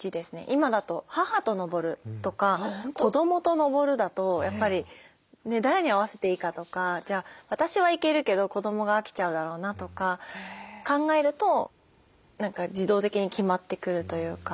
今だと母と登るとか子どもと登るだとやっぱりね誰に合わせていいかとかじゃあ私は行けるけど子どもが飽きちゃうだろうなとか考えると何か自動的に決まってくるというか。